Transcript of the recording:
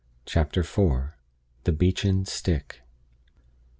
CHAPTER IV. THE BEECHEN STICK.